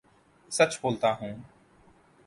سچ بولتا ہوں